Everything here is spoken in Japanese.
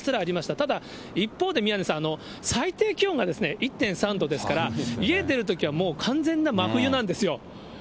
ただ、一方で宮根さん、最低気温がですね、１．３度ですから、家を出るときは、もう完全な真冬なんですよ。